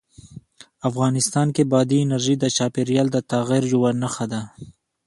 افغانستان کې بادي انرژي د چاپېریال د تغیر یوه نښه ده.